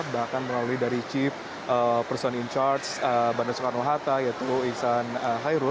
bahkan melalui dari chief person in charge bandara soekarno hatta yaitu ihsan hairul